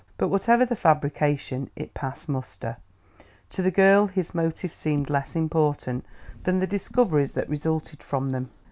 But whatever the fabrication, it passed muster; to the girl his motives seemed less important than the discoveries that resulted from them.